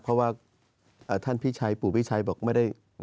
เพราะว่าท่านพิชัยปู่พิชัยบอกไม่ได้